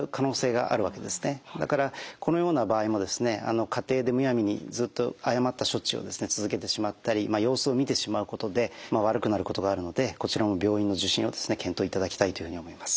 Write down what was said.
だからこのような場合も家庭でむやみにずっと誤った処置を続けてしまったり様子を見てしまうことで悪くなることがあるのでこちらも病院の受診を検討いただきたいというふうに思います。